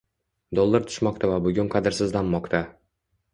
Dollar tushmoqda va bugun qadrsizlanmoqda